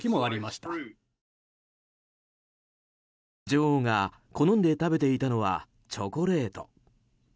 女王が好んで食べていたのはチョコレート。